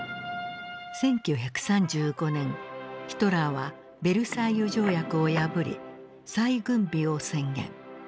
１９３５年ヒトラーはベルサイユ条約を破り再軍備を宣言。